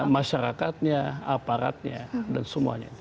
masyarakatnya aparatnya dan semuanya